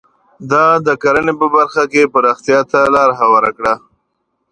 دا د کرنې په برخه کې پراختیا ته لار هواره کړه.